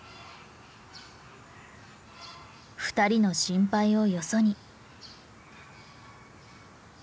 二人の心配をよそに。